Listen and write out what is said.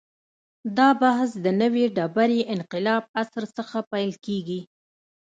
دا بحث د نوې ډبرې انقلاب عصر څخه پیل کېږي.